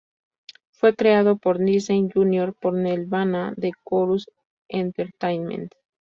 Fue creado por Disney Junior por Nelvana de Corus Entertainment.